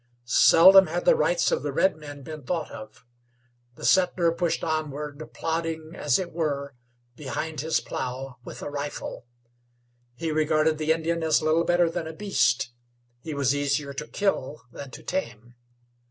Seldom had the rights of the redmen been thought of. The settler pushed onward, plodding, as it were, behind his plow with a rifle. He regarded the Indian as little better than a beast; he was easier to kill than to tame.